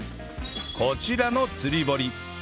こちらの釣り堀